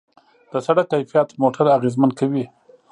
د سړک کیفیت موټر اغېزمن کوي.